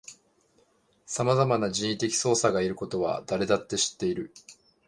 さまざまな人為的操作がいることは誰だって知っている